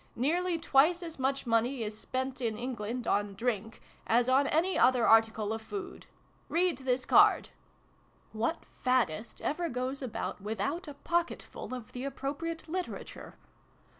" Nearly twice as much money is spent in England on Drink, as on any other article of food. Read this card." (What faddist ever goes about without a pocketful of the appropriate literature